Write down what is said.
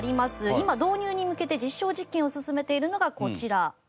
今導入に向けて実証実験を進めているのがこちら。